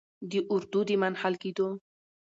د اردو د منحل کیدو